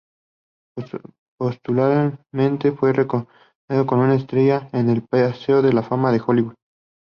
Póstumamente fue recompensado con una estrella en el paseo de la fama de Hollywood.